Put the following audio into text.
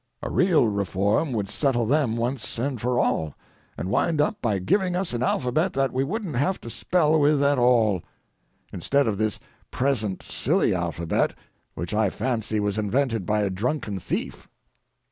A real reform would settle them once and for all, and wind up by giving us an alphabet that we wouldn't have to spell with at all, instead of this present silly alphabet, which I fancy was invented by a drunken thief.